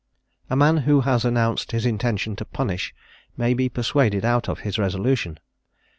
A man who has announced his intention to punish may be persuaded out of his resolution.